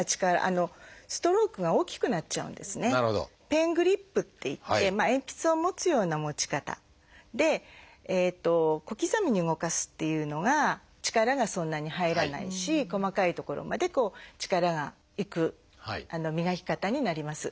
ペングリップっていって鉛筆を持つような持ち方で小刻みに動かすっていうのが力がそんなに入らないし細かい所まで力がいく磨き方になります。